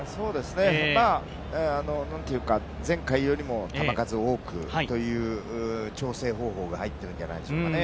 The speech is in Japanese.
まあ、前回よりも球数多くという調整方法が入っているんじゃないでしょうかね。